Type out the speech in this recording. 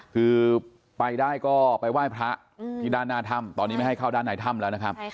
คือไปได้ก็ไปไหว้พระ